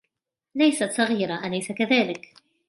ليست صغيرة ، أليس كذلك ؟